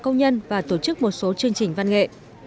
công nhân và tổ chức một số chương trình văn nghệ